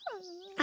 あ。